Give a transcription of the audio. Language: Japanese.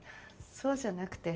そうじゃなくて。